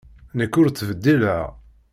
Nekk ur ttbeddileɣ.